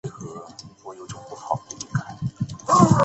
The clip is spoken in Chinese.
丝绸是用蚕丝编制而成的纺织品。